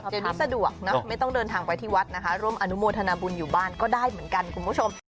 เดี๋ยวนี้สะดวกนะไม่ต้องเดินทางไปที่วัดนะคะร่วมอนุโมทนาบุญอยู่บ้านก็ได้เหมือนกันคุณผู้ชม